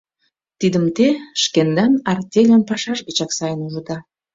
Тидым те шкендан артельын пашаж гычак сайын ужыда.